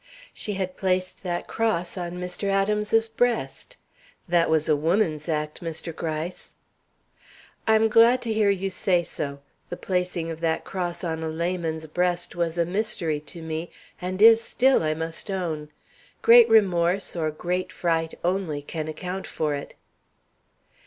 "She had placed that cross on Mr. Adams's breast. That was a woman's act, Mr. Gryce." "I am glad to hear you say so. The placing of that cross on a layman's breast was a mystery to me, and is still, I must own. Great remorse or great fright only can account for it."